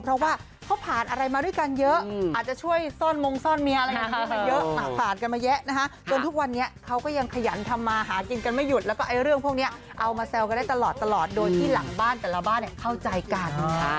เพราะว่าเขาผ่านอะไรมาด้วยกันเยอะอาจจะช่วยซ่อนมงซ่อนเมียอะไรแบบนี้มาเยอะผ่านกันมาแยะนะคะจนทุกวันนี้เขาก็ยังขยันทำมาหากินกันไม่หยุดแล้วก็เรื่องพวกนี้เอามาแซวกันได้ตลอดโดยที่หลังบ้านแต่ละบ้านเข้าใจกัน